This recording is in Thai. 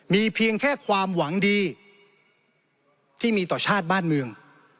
มีเพียงแค่ความหวังดีที่มีต่อชาติบ้านเมือง